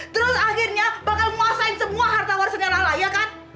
terus akhirnya bakal menguasai semua harta warisnya lala ya kan